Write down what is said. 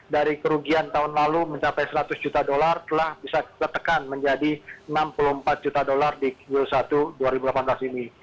dari kerugian tahun lalu mencapai seratus juta dolar telah bisa tertekan menjadi enam puluh empat juta dolar di ul satu dua ribu delapan belas ini